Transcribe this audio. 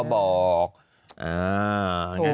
เช็ดแรงไปนี่